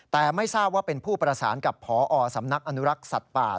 แต่ไม่ทราบว่าเป็นผู้ประสานกับพอสำนักอนุรักษ์สัตว์ป่า